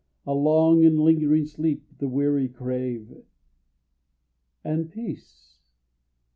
A long and lingering sleep, the weary crave. And Peace?